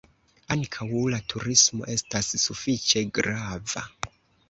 Ankaŭ la turismo estas sufiĉe grava.